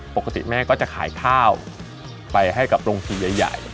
ปกติแม่ก็จะขายข้าวไปให้กับโรงพิมพ์ใหญ่